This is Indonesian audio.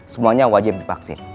semuanya wajib dipaksin